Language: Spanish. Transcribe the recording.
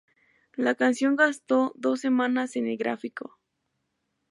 La canción gastó dos semanas en el gráfico.